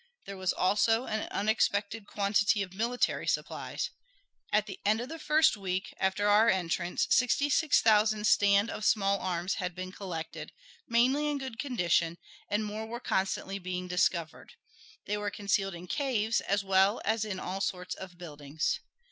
There was also an unexpected quantity of military supplies. At the end of the first week after our entrance sixty six thousand stand of small arms had been collected, mainly in good condition, and more were constantly being discovered. They were concealed in caves, as well as in all sorts of buildings.